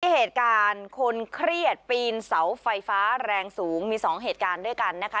เหตุการณ์คนเครียดปีนเสาไฟฟ้าแรงสูงมี๒เหตุการณ์ด้วยกันนะคะ